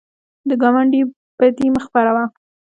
د ګاونډي بدي مه خپروه